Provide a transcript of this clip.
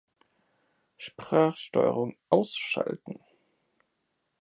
Sprachsteuerung ausschalten.